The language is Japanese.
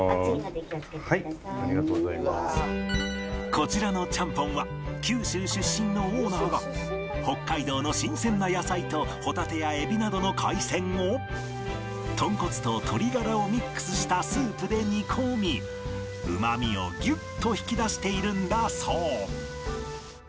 こちらのちゃんぽんは九州出身のオーナーが北海道の新鮮な野菜とホタテやエビなどの海鮮を豚骨と鶏ガラをミックスしたスープで煮込みうまみをギュッと引き出しているんだそう